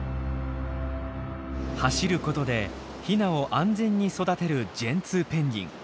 走ることでヒナを安全に育てるジェンツーペンギン。